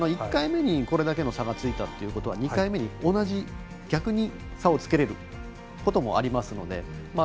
１回目、これだけの差がついたということは２回目に、逆に差をつけることができますので。